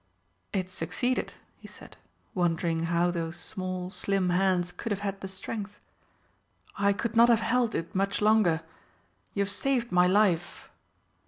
"It succeeded," he said, wondering how those small slim hands could have had the strength. "I could not have held it much longer. You have saved my life."